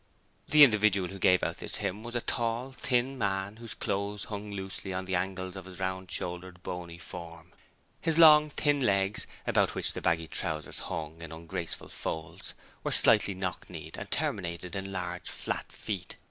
The individual who gave out this hymn was a tall, thin man whose clothes hung loosely on the angles of his round shouldered, bony form. His long, thin legs about which the baggy trousers hung in ungraceful folds were slightly knock kneed, and terminated in large, flat feet.